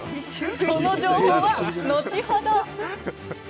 その情報は後ほど。